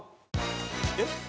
「えっ？